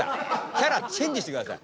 キャラチェンジしてください。